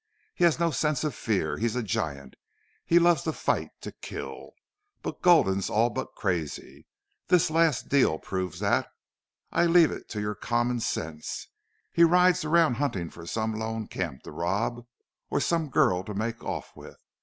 He has no sense of fear. He's a giant. He loves to fight to kill. But Gulden's all but crazy. This last deal proves that. I leave it to your common sense. He rides around hunting for some lone camp to rob. Or some girl to make off with.